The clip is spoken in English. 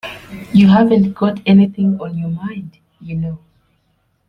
You haven't got anything on your mind, you know.